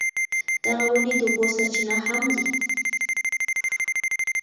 دغه ونې د اوبو سرچینه هم دي.